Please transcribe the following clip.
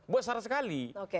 buat salah sekali